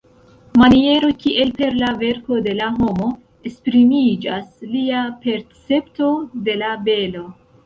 Maniero kiel per la verko de la homo esprimiĝas lia percepto de la belo.